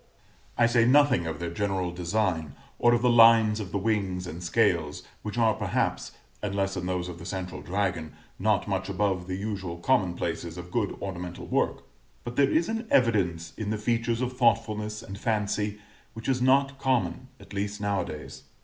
] I say nothing of their general design, or of the lines of the wings and scales, which are perhaps, unless in those of the central dragon, not much above the usual commonplaces of good ornamental work; but there is an evidence in the features of thoughtfulness and fancy which is not common, at least now a days.